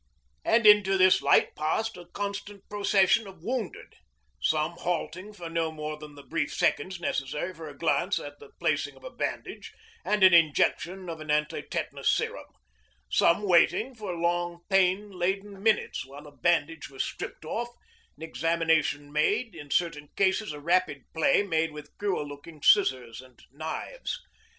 And into this light passed a constant procession of wounded, some halting for no more than the brief seconds necessary for a glance at the placing of a bandage and an injection of an anti tetanus serum, some waiting for long pain laden minutes while a bandage was stripped off, an examination made, in certain cases a rapid play made with cruel looking scissors and knives.